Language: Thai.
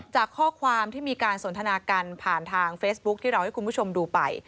จากข้อความที่มีการสนทนากันผ่านทางเฟซบุ๊คที่เราให้คุณผู้ชมดูไป